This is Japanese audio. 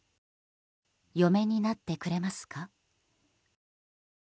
嫁になってくれますか？